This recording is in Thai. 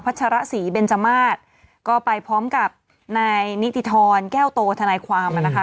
ชรศรีเบนจมาสก็ไปพร้อมกับนายนิติธรแก้วโตทนายความอ่ะนะคะ